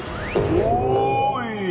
おい！